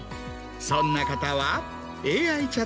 そんな方は。